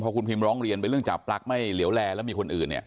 พอคุณพิมร้องเรียนไปเรื่องจับลักษณ์ไม่เหลียวแลแล้วมีคนอื่นเนี่ย